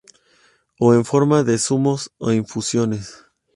O en forma de zumos e infusiones.